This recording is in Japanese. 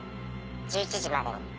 １１時までに。